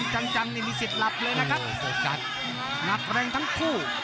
ครับเจอะหลับด้วยครับ